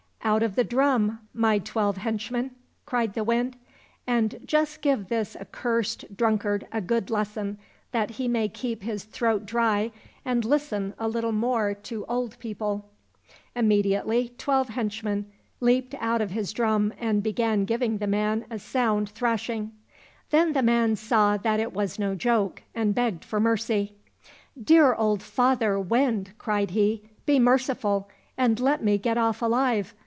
Out of the drum, my twelve henchmen !" cried the Wind, " and just give this accursed drunkard a good lesson that he may keep his throat dry and listen a little more to old people !"— Immediately twelve henchmen leaped out of his drum and began giving the man a sound thrashing. Then the man saw that it was no joke and begged for mercy. " Dear old father Wind," cried he, " be merciful, and let me get off alive.